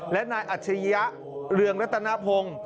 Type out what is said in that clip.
และนายอัจฉริยะเรืองรัตนพงศ์